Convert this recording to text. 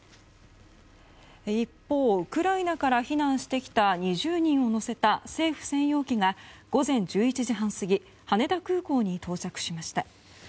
一方、ウクライナから避難してきた２０人を乗せた政府専用機が午前１１時半過ぎ羽田空港に到着しました。